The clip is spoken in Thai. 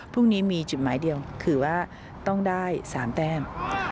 พรุ่งนี้มีจุดหมายเดียวคือว่าต้องได้๓แต้ม